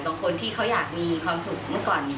บางคนที่เขาอยากมีความสุขเมื่อก่อน